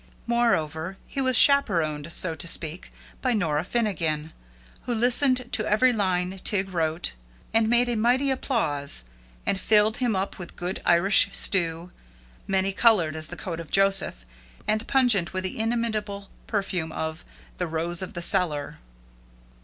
Moreover, he was chaperoned, so to speak, by Nora Finnegan, who listened to every line Tig wrote, and made a mighty applause, and filled him up with good Irish stew, many colored as the coat of Joseph, and pungent with the inimitable perfume of "the rose of the cellar."